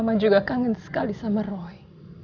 mama juga kangen sekali sama roy